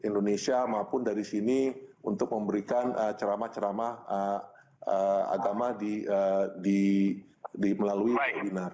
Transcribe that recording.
indonesia maupun dari sini untuk memberikan ceramah ceramah agama melalui webinar